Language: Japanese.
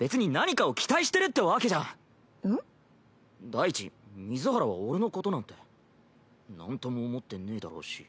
第一水原は俺のことなんてなんとも思ってねぇだろうし。